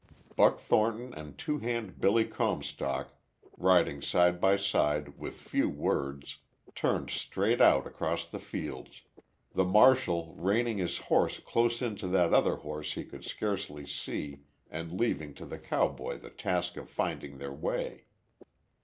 Buck Thornton and Two Hand Billy Comstock, riding side by side with few words, turned straight out across the fields, the marshal reining his horse close in to that other horse he could scarcely see and leaving to the cowboy the task of finding their way.